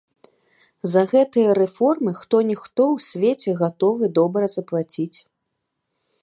За гэтыя рэформы хто-ніхто ў свеце гатовы добра заплаціць.